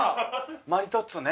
マリトッツォね。